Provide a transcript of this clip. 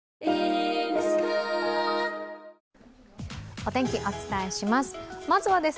お天気、お伝えします。